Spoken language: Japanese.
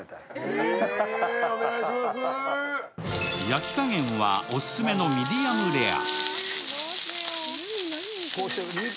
焼き加減はオススメのミディアムレア。